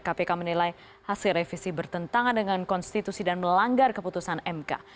kpk menilai hasil revisi bertentangan dengan konstitusi dan melanggar keputusan mk